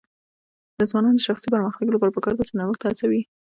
د ځوانانو د شخصي پرمختګ لپاره پکار ده چې نوښت هڅوي.